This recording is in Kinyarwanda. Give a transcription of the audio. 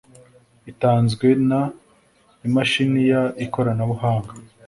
Itanzwe n imashini y ikoranabuhanga